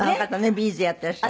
ビーズやってらっしゃる。